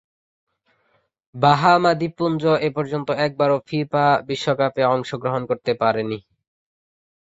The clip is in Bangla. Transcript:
বাহামা দ্বীপপুঞ্জ এপর্যন্ত একবারও ফিফা বিশ্বকাপে অংশগ্রহণ করতে পারেনি।